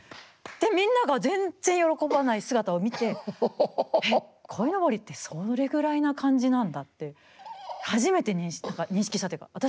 でみんなが全然喜ばない姿を見てえっこいのぼりってそれぐらいな感じなんだって初めて何か認識したというか。